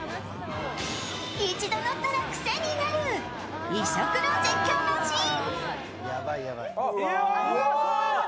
１度乗ったら癖になる異色の絶叫マシーン。